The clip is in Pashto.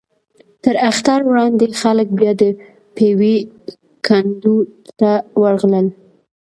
تر اختر وړاندې خلک بیا د پېوې کنډو ته ورغلل.